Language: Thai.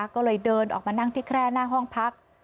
ก็เลยเดินออกมานั่งที่แคร่หน้าห้องพัก